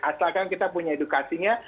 asalkan kita punya edukasinya